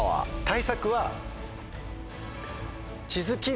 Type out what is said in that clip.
対策は。